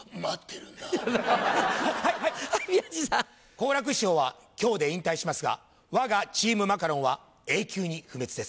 好楽師匠は今日で引退しますがわがチームマカロンは永久に不滅です。